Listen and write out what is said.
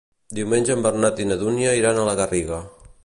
Diumenge en Bernat i na Dúnia iran a la Garriga.